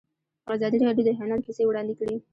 ازادي راډیو د هنر کیسې وړاندې کړي.